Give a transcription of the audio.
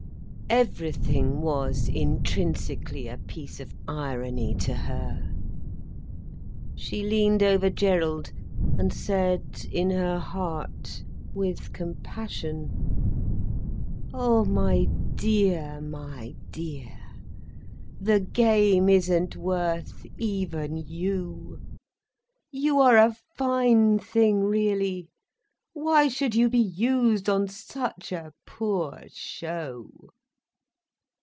Everything was intrinsically a piece of irony to her. She leaned over Gerald and said in her heart, with compassion: "Oh, my dear, my dear, the game isn't worth even you. You are a fine thing really—why should you be used on such a poor show!"